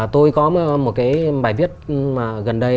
tôi có một cái bài viết gần đây